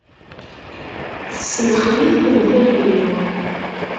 Tessemxel-iten tayri.